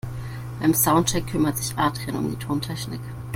Beim Soundcheck kümmert sich Adrian um die Tontechnik.